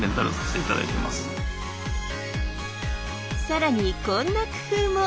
更にこんな工夫も！